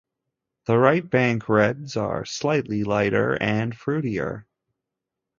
The right bank reds are slightly lighter and fruitier.